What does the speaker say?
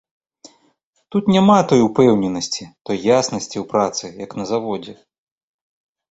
Тут няма той упэўненасці, той яснасці ў працы, як на заводзе.